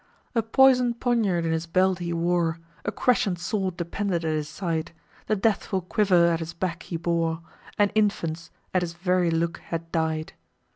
A poison'd poignard in his belt he wore, A crescent sword depended at his side, The deathful quiver at his back he bore, And infants—at his very look had died!